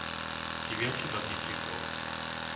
Diviaky nad Nitricou